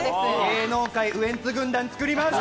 芸能界ウエンツ軍団作ります。